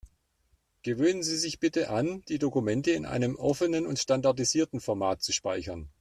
Gewöhnen Sie sich bitte an, die Dokumente in einem offenen und standardisierten Format zu speichern.